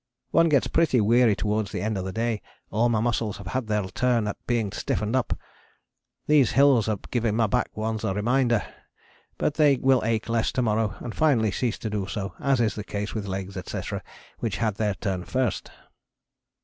One gets pretty weary towards the end of the day; all my muscles have had their turn at being [stiffened] up. These hills are giving my back ones a reminder, but they will ache less to morrow and finally cease to do so, as is the case with legs, etc., which had their turn first.